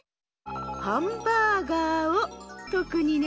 ハンバーガーをとくにね。